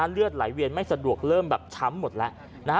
เลือดไหลเวียนไม่สะดวกเริ่มแบบช้ำหมดแล้ว